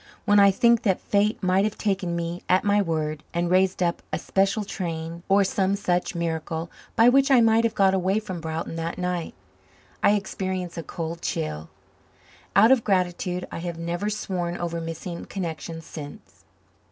When I think that fate might have taken me at my word and raised up a special train, or some such miracle, by which I might have got away from Broughton that night, I experience a cold chill. Out of gratitude I have never sworn over missing connections since.